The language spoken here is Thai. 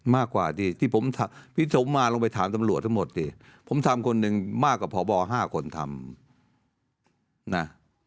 มากกว่าที่ผมพี่สมมาลงไปถามตำรวจทั้งหมดสิผมทำคนหนึ่งมากกว่าพบ๕คนทำนะ